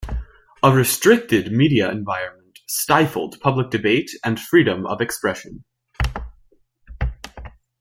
A restricted media environment stifled public debate and freedom of expression.